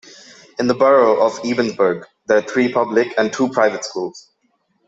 In the borough of Ebensburg, there are three public and two private schools.